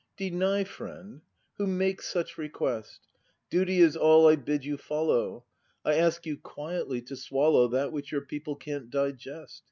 Deny, friend ? Who makes such request ? Duty is all I bid you follow: I ask you quietly to swallow That which your people can't digest.